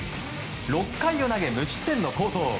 ６回を投げ、無失点の好投。